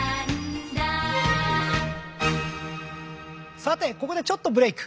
さてここでちょっとブレーク。